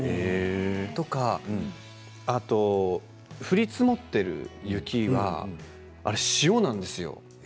それとか降り積もっている雪はあれは塩なんですよ。